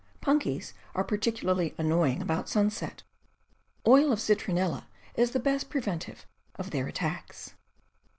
Punkies are particularly annoying about sunset. Oil of citronella is the best preventive of their attacks.